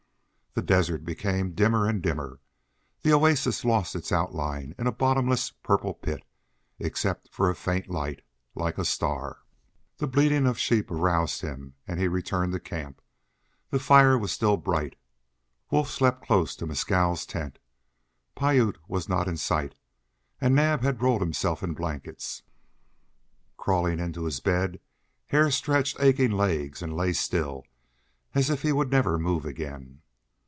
The desert became dimmer and dimmer; the oasis lost its outline in a bottomless purple pit, except for a faint light, like a star. The bleating of sheep aroused him and he returned to camp. The fire was still bright. Wolf slept close to Mescal's tent; Piute was not in sight; and Naab had rolled himself in blankets. Crawling into his bed, Hare stretched aching legs and lay still, as if he would never move again.